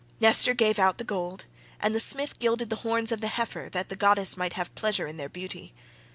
Nestor gave out the gold, and the smith gilded the horns of the heifer that the goddess might have pleasure in their beauty.